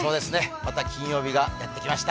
また金曜日がやってきました